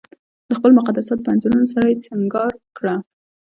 د خپلو مقدساتو په انځورونو سره یې سنګار کړه.